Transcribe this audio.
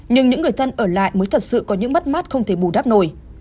nhưng những người thân ở lại mới thật sự có những mất mát không thể bù đắp nổi